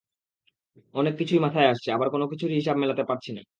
অনেক কিছুই মাথায় আসছে, আবার কোনো কিছুরই হিসাব মেলাতে পারছি না।